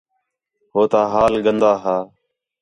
ہو تا حال گندا ہا